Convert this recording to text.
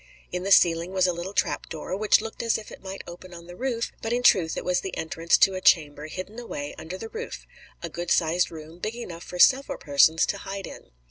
In the ceiling was a little trap door, which looked as if it might open on the roof; but in truth it was the entrance to a chamber hidden away under the roof, a good sized room, big enough for several persons to hide in.